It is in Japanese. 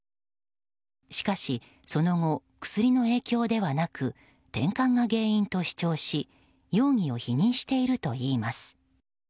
しかし、その後薬の影響ではなくてんかんが原因と主張し容疑を否認しているといいます。